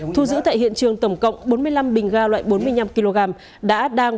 thu giữ tại hiện trường tổng cộng bốn mươi năm bình ga loại bốn mươi năm kg